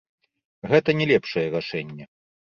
Гэта не лепшае рашэнне.